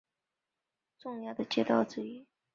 拉希德街是伊拉克巴格达市中心的重要街道之一。